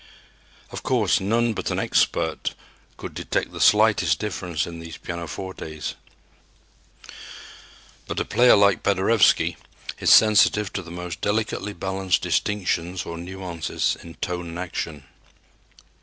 Of course, none but an expert could detect the slightest difference in these pianofortes, but a player like Paderewski is sensitive to the most delicately balanced distinctions or nuances in tone and action.